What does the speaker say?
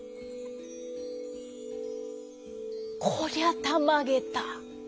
「こりゃたまげた！